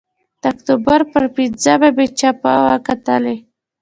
د اکتوبر پر پینځمه مې چاپه وکتلې.